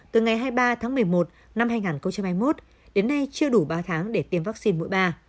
từ ngày hai mươi ba tháng một mươi một năm hai nghìn hai mươi một đến nay chưa đủ ba tháng để tiêm vaccine mũi ba